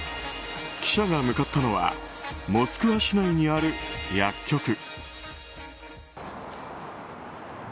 記者が向かったのはモスクワ市内にある薬局。